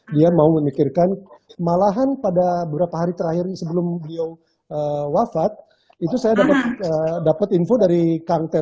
dia mau memikirkan malahan pada beberapa hari terakhir sebelum beliau wafat itu saya dapat tahu bahwa beliau masih bekerja di indonesia